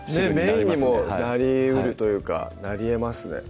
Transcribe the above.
メインにもなりうるというかなりえますね